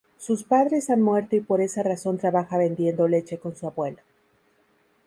Sus padres han muerto y por esa razón trabaja vendiendo leche con su abuelo.